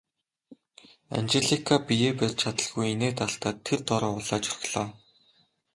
Анжелика биеэ барьж чадалгүй инээд алдаад тэр дороо улайж орхилоо.